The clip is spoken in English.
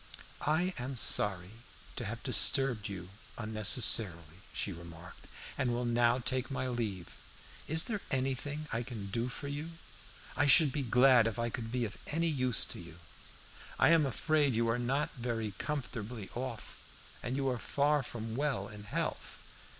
"I am sorry to have disturbed you unnecessarily," she remarked "and will now take my leave. Is there anything I can do for you? I should be glad if I could be of any use. I am afraid you are not very comfortably off, and you are far from well in health.